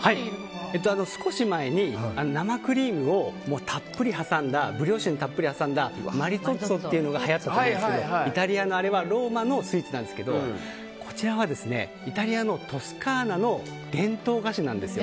少し前に生クリームをブリオッシュにたっぷり挟んだマリトッツォっていうのがはやったと思うんですけどイタリアのあれはローマのスイーツなんですがこちらはイタリアのトスカーナの伝統菓子なんです。